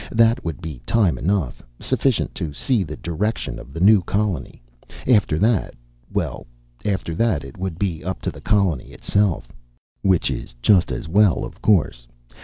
That would be time enough, sufficient to see the direction of the new colony. After that Well, after that it would be up to the colony itself. "Which is just as well, of course.